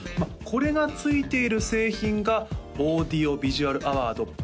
これがついている製品がオーディオビジュアルアワード